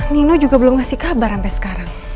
nino juga belum ngasih kabar sampai sekarang